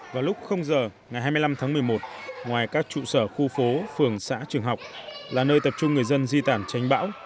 vào lúc giờ ngày hai mươi năm tháng một mươi một ngoài các trụ sở khu phố phường xã trường học là nơi tập trung người dân di tản tránh bão